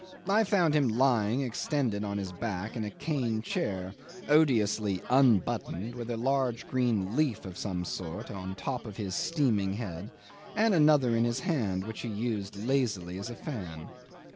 I found him lying extended on his back in a cane chair, odiously unbuttoned, with a large green leaf of some sort on the top of his steaming head, and another in his hand which he used lazily as a fan